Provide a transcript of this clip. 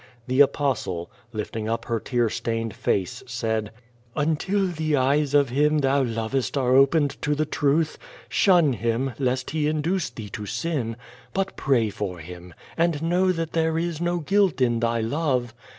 The Apostle, lifting up her tear stained face, said: "Until the eyes of him thou lovest are oi)ened to the truth, shun him, lest he induce thee to sin, but pray for him and know that there is no guilt in thy love.